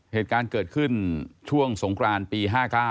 เหตุการณ์เกิดขึ้นช่วงสงครานปี๕๙